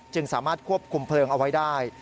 สามารถควบคุมเพลิงเอาไว้ได้